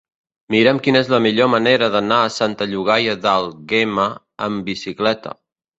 Mira'm quina és la millor manera d'anar a Santa Llogaia d'Àlguema amb bicicleta.